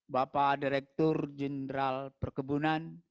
bapak direktur jenderal perkebunan